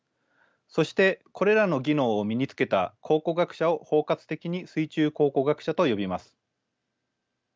そしてこれらの技能を身につけた考古学者を包括的に水中考古学者と呼びます。